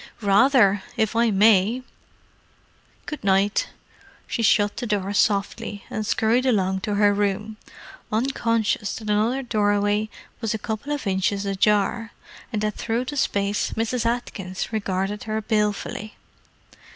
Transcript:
"Rather! if I may. Good night." She shut the door softly, and scurried along to her room—unconscious that another doorway was a couple of inches ajar, and that through the space Mrs. Atkins regarded her balefully.